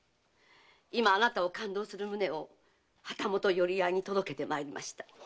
今あなたを勘当する旨を旗本寄合に届けてまいりました。